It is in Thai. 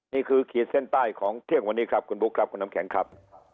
ขีดเส้นใต้ของเที่ยงวันนี้ครับคุณบุ๊คครับคุณน้ำแข็งครับ